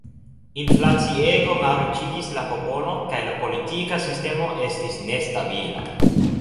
Inflaciego malriĉigis la popolon kaj la politika sistemo estis nestabila.